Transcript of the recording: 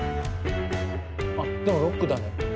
あっでもロックだね。